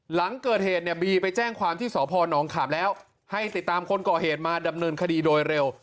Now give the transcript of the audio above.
หลังเกิดเหตุเนี่ยบีไปแจ้งความที่สพนขามแล้วให้ติดตามคนก่อเหตุมาดำเนินคดีโดยเร็ว